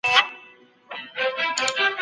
موږ د سولې او ثبات غوښتونکي يو.